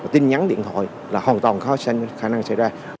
tin nhắn điện thoại là hoàn toàn khả năng xảy ra